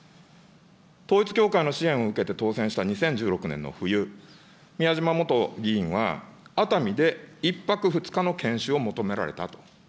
統一教会の支援を受けて、当選した２０１６年の冬、宮島元議員は、熱海で１泊２日の研修を求められたと。